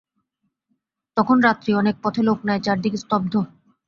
তখন রাত্রি অনেক, পথে লোক নাই, চারিদিক স্তব্ধ।